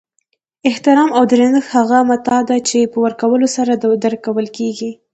احترام او درنښت هغه متاع ده چی په ورکولو سره درکول کیږي